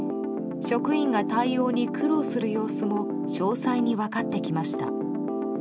職員が対応に苦労する様子も詳細に分かってきました。